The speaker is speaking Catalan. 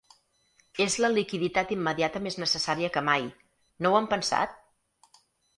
És la liquiditat immediata més necessària que mai, no ho han pensat?